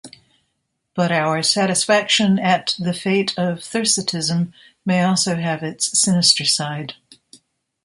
But our satisfaction at the fate of Thersitism may also have its sinister side.